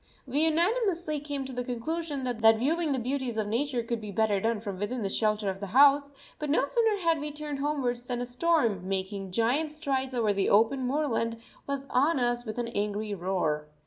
We unanimously came to the conclusion that viewing the beauties of nature could be better done from within the shelter of the house, but no sooner had we turned homewards than a storm, making giant strides over the open moorland, was on us with an angry roar.